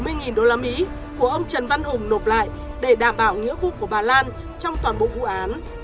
một trăm chín mươi usd của ông trần văn hùng nộp lại để đảm bảo nghĩa vụ của bà lan trong toàn bộ vụ án